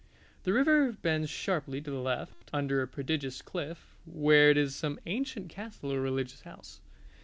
The river bends sharply to the left under a prodigious cliff, where is some ancient castle or religious house.